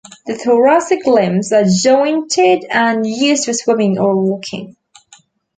The thoracic limbs are jointed and used for swimming or walking.